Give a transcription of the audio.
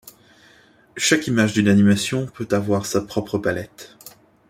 Chaque image d'une animation peut avoir sa propre palette.